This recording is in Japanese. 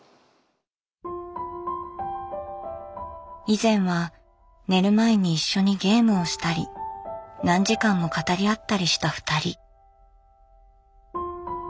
以前は寝る前に一緒にゲームをしたり何時間も語り合ったりしたふたり。